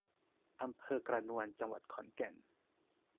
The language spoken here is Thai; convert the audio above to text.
อำเภอกระนวน จังหวัดขอนแก่น